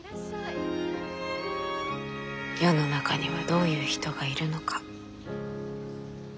世の中にはどういう人がいるのか。